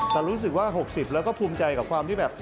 แต่รู้สึกว่า๖๐แล้วก็ภูมิใจกับความที่แบบ